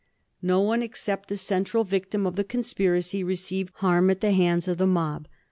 No one except the central victim of the conspiracy received harm at the hands of the mob.